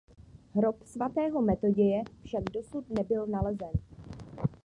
Hrob svatého Metoděje však dosud nebyl nalezen.